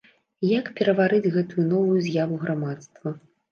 Як пераварыць гэтую новую з'яву грамадства?